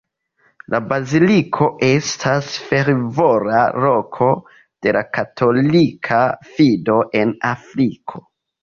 La baziliko estas fervora loko de la katolika fido en Afriko.